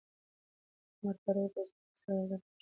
عمر فاروق د ځمکې په سر د عدل یو روښانه مثال و.